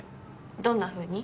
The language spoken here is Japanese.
どんなふうに？